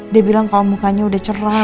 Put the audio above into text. dia bilang kalau mukanya udah cerah